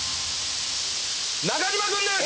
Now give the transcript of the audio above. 中島君です！